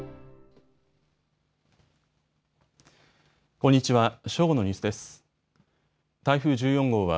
こんにちは。